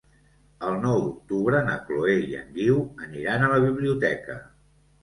El nou d'octubre na Chloé i en Guiu aniran a la biblioteca.